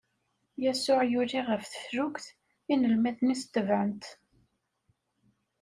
Yasuɛ yuli ɣer teflukt, inelmaden-is tebɛen-t.